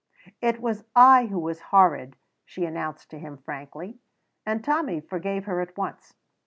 "It was I who was horrid," she announced to him frankly, and Tommy forgave her at once.